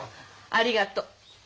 ありがとう。